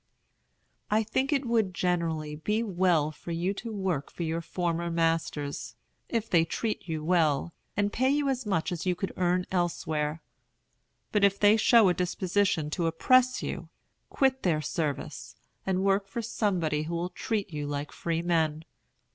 I think it would generally be well for you to work for your former masters, if they treat you well, and pay you as much as you could earn elsewhere. But if they show a disposition to oppress you, quit their service, and work for somebody who will treat you like freemen.